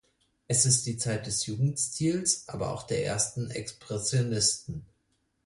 Es ist die Zeit des Jugendstils, aber auch der ersten Expressionisten.